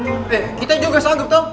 eh kita juga sanggup tau